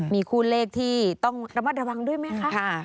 มีคู่เลขที่ต้องระมัดระวังด้วยไหมคะ